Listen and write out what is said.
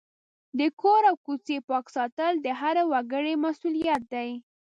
د کور او کوڅې پاک ساتل د هر وګړي مسؤلیت دی.